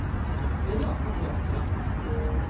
では、まずはこちら。